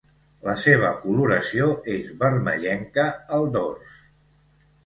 La seva coloració és vermellenca al dors.